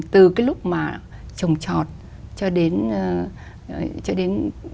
từ cái lúc mà trồng trọt cho đến